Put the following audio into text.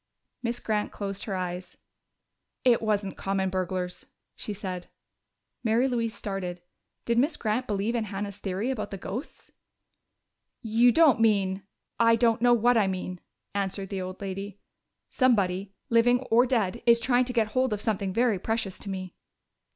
Miss Grant closed her eyes. "It wasn't common burglars," she said. Mary Louise started. Did Miss Grant believe in Hannah's theory about the ghosts? "You don't mean ?" "I don't know what I mean," answered the old lady. "Somebody living or dead is trying to get hold of something very precious to me."